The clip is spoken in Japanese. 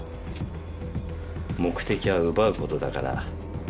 目的は奪うことだから。